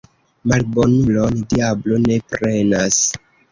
Malbonulon diablo ne prenas.